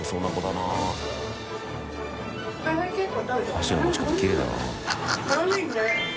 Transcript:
箸の持ち方きれいだな。